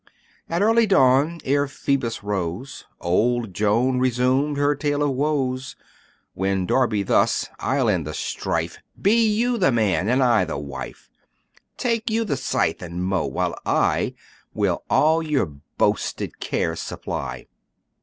II At early dawn, ere Phoebus rose, Old Joan resumed her tale of woes; When Darby thus "I'll end the strife, Be you the man and I the wife: Take you the scythe and mow, while I Will all your boasted cares supply."